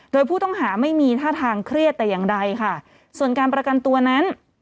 โดยผู้ต้องหาไม่มีท่าทางเครียดแต่อย่างใดค่ะส่วนการประกันตัวนั้น